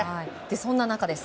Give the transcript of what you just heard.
そんな中です。